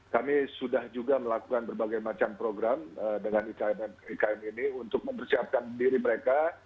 kami sudah juga melakukan berbagai macam program dengan ikm ini untuk mempersiapkan diri mereka